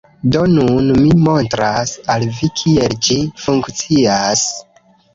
Do, nun mi montras al vi kiel ĝi funkcias